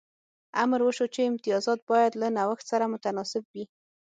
امر وشو چې امتیازات باید له نوښت سره متناسب وي.